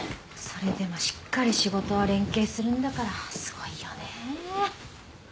それでもしっかり仕事は連係するんだからすごいよね！